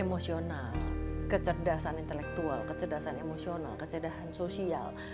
emosional kecerdasan intelektual kecerdasan emosional kecerdasan sosial